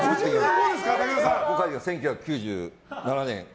１９９７年。